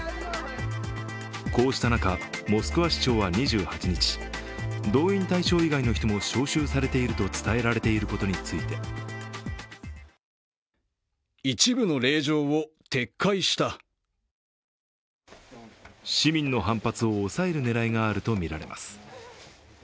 こうした中、モスクワ市長は２８日、動員対象以外の人も招集されていると伝えられていることについて市民の反発を抑える狙いがあるとみられます。